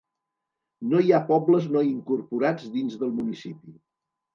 No hi ha pobles no incorporats dins del municipi.